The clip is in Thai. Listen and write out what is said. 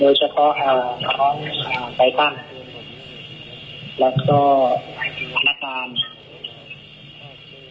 โดยเฉพาะไตรฟันแล้วก็อาณาจารย์